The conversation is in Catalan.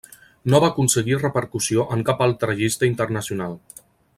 No va aconseguir repercussió en cap altra llista internacional.